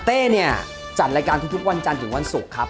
เนี่ยจัดรายการทุกวันจันทร์ถึงวันศุกร์ครับ